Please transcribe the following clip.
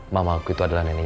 mamaku itu adalah neneknya siva